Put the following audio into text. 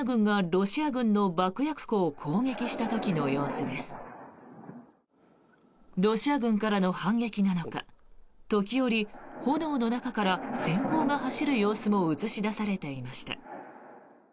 ロシア軍からの反撃なのか時折、炎の中から閃光が走る様子も映し出されていました。